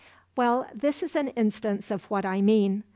"Well, this is an instance of what I mean.